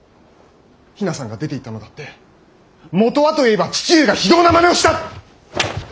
比奈さんが出ていったのだって元はといえば父上が非道なまねをした。